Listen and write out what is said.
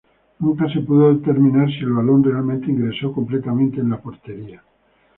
Nunca se pudo determinar si el balón realmente ingresó completamente a la portería.